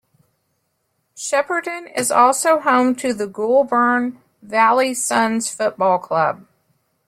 Shepparton is also home to the Goulburn Valley Suns Football Club.